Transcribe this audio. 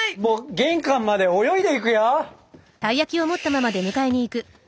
玄関まで泳いでいくよ。